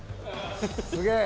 すげえ！